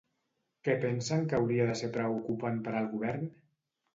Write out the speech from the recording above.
Què pensen que hauria de ser preocupant per al govern?